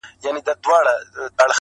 که به دوی هم مهربان هغه زمان سي-